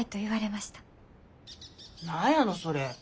何やのそれ。